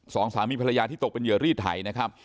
สองสามีภรรยาที่ตกเป็นเหยื่อรีดไถนะครับ